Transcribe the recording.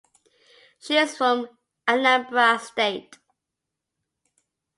She is from Anambra State.